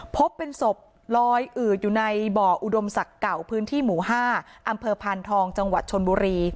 พบเป็นศพลอยอืดอยู่ในบ่ออุดมศักดิ์เก่าพื้นที่หมู่๕อำเภอพานทองจังหวัดชนบุรี